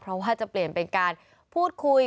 เพราะว่าจะเปลี่ยนเป็นการพูดคุย